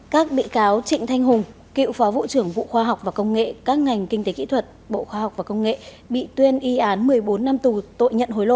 các bị cáo trịnh thanh hùng cựu phó vụ trưởng vụ khoa học và công nghệ các ngành kinh tế kỹ thuật bộ khoa học và công nghệ bị tuyên y án một mươi bốn năm tù tội nhận hối lộ